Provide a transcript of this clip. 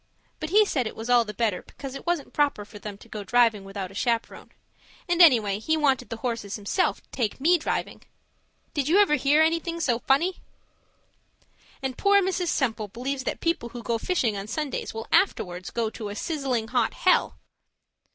But he said it was all the better because it wasn't proper for them to go driving without a chaperon; and anyway, he wanted the horses himself to take me driving. Did you ever hear anything so funny? And poor Mrs. Semple believes that people who go fishing on Sundays go afterwards to a sizzling hot hell!